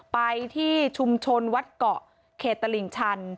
ไปที่ชุมชนวัดเกาะเขตตลิ่งชัน